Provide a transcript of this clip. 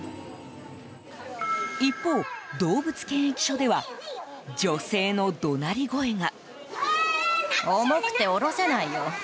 一方、動物検疫所では女性の怒鳴り声が。